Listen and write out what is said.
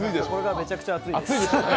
めちゃくちゃ熱いです。